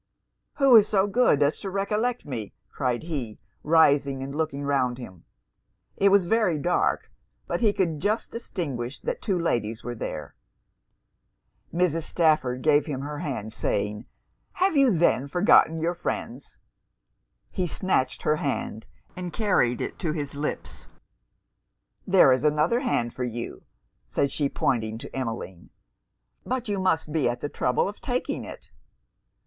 'Who is so good as to recollect me?' cried he, rising and looking round him. It was very dark; but he could just distinguish that two ladies were there. Mrs. Stafford gave him her hand, saying 'Have you then forgotten your friends?' He snatched her hand, and carried it to his lips. 'There is another hand for you,' said she, pointing to Emmeline 'but you must be at the trouble of taking it.'